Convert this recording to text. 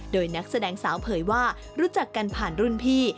โดยนักแสดงสาวเผยว่ารู้จักกันผ่านรุ่นพี่